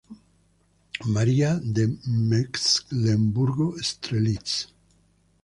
María de Mecklemburgo-Strelitz